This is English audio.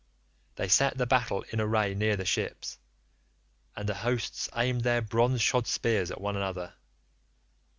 They set the battle in array near the ships, and the hosts aimed their bronze shod spears at one another.